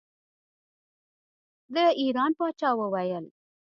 د ایران پاچا وویل.